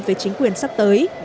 về chính quyền sắp tới